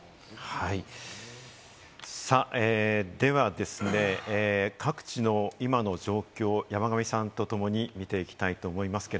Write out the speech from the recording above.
では各地の今の状況を山神さんとともに見ていきたいと思います。